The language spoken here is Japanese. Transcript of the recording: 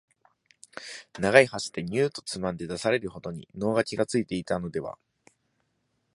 長い箸でニューッとつまんで出される度に能書がついたのでは、